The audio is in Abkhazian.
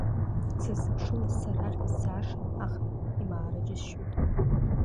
Сыззыԥшу лассы арахь исзаашан, аха имаара џьысшьоит…